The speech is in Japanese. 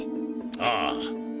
ああ。